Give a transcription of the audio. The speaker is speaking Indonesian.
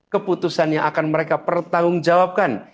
keputusan yang akan mereka pertanggungjawabkan